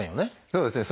そうですね。